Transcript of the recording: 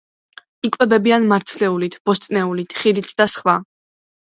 იკვებებიან მარცვლეულით, ბოსტნეულით, ხილით და სხვა.